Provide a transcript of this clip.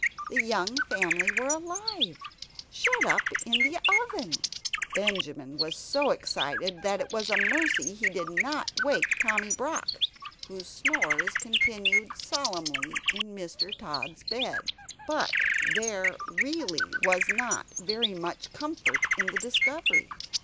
The young family were alive; shut up in the oven! Benjamin was so excited that it was a mercy he did not awake Tommy Brock, whose snores continued solemnly in Mr. Tod's bed. But there really was not very much comfort in the discovery.